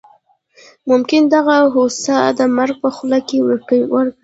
ممکن دغه هوس د مرګ په خوله کې ورکړي.